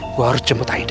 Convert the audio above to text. gue harus jemput aida